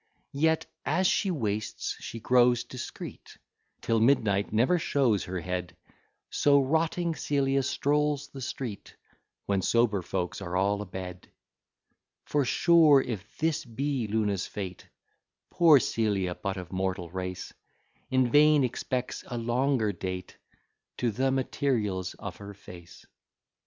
Yet, as she wastes, she grows discreet, Till midnight never shows her head; So rotting Celia strolls the street, When sober folks are all a bed: For sure, if this be Luna's fate, Poor Celia, but of mortal race, In vain expects a longer date To the materials of her face.